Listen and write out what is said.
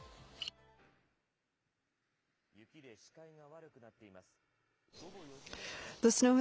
雪で視界が悪くなっています。